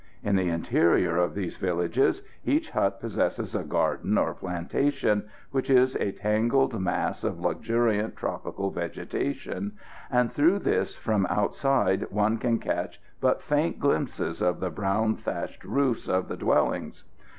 In the interior of these villages each hut possesses a garden or plantation which is a tangled mass of luxuriant tropical vegetation, and through this from outside one can catch but faint glimpses of the brown thatched roofs of the dwellings.